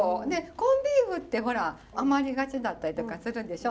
コンビーフってほら余りがちだったりとかするでしょ？